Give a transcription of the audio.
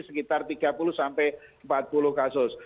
sekitar tiga puluh sampai empat puluh kasus